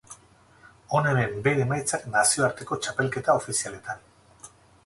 Hona hemen bere emaitzak nazioarteko txapelketa ofizialetan.